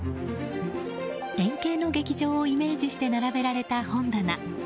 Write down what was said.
円形の劇場をイメージして並べられた本棚。